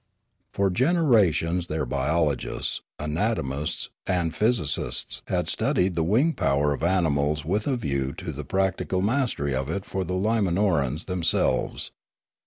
For generations their biologists, anatomists, and physicists had studied the wing power of animals with a view to the practical mastery of it for the Limanorans themselves.